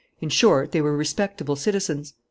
In short, they were respectable citizens.